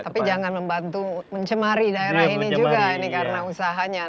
tapi jangan membantu mencemari daerah ini juga ini karena usahanya